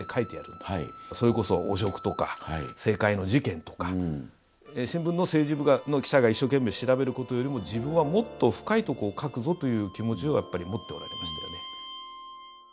それこそ汚職とか政界の事件とか新聞の政治部の記者が一生懸命調べることよりも自分はもっと深いとこを書くぞという気持ちはやっぱり持っておられましたよね。